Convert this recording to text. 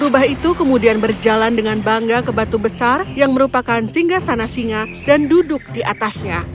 rubah itu kemudian berjalan dengan bangga ke batu besar yang merupakan singgah sana singa dan duduk di atasnya